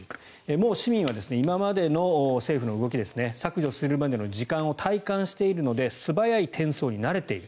もう市民は、今までの政府の動き削除するまでの時間を体感しているので素早い転送に慣れている。